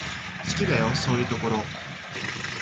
好きだよ、そういうところ。